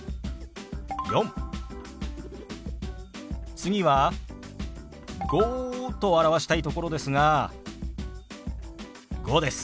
次は「５」と表したいところですが「５」です。